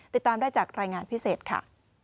ติดตามได้จากรายงานพิเศษค่ะ